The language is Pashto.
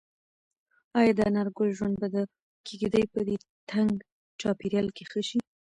ایا د انارګل ژوند به د کيږدۍ په دې تنګ چاپېریال کې ښه شي؟